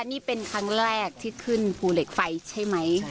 นี่เป็นครั้งแรกที่ขึ้นภูเหล็กไฟใช่ไหม